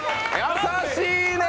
優しいね！